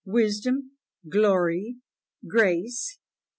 "Wisdom, Glory, Grace, &c.